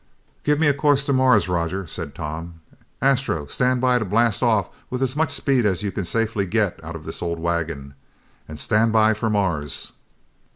"Get me a course to Mars, Roger," said Tom. "Astro, stand by to blast off with as much speed as you can safely get out of this old wagon, and stand by for Mars!"